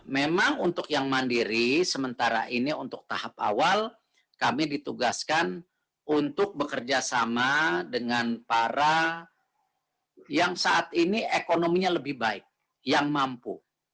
memang untuk yang mandiri sementara ini untuk tahap awal kami ditugaskan untuk bekerja sama dengan para yang saat ini ekonominya lebih baik yang mampu